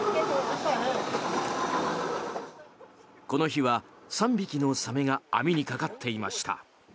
この日は３匹のサメが網にかかっていました。